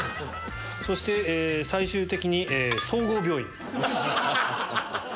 そして最終的に総合病院。